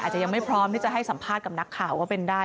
ยังไม่พร้อมที่จะให้สัมภาษณ์กับนักข่าวก็เป็นได้